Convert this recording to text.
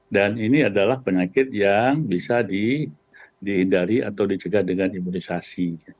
dan ini adalah penyakit yang bisa dihindari atau dicegah dengan imunisasi